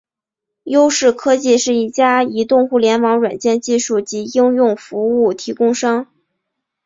优视科技是一家移动互联网软件技术及应用服务提供商。